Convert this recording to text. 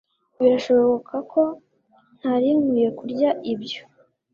Birashoboka ko ntari nkwiye kurya ibyo